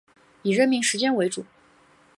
以任命时间为主